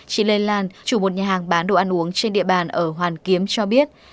chị lê lan chủ một nhà hàng bán đồ ăn uống trên địa bàn ở hoàn kiếm cho biết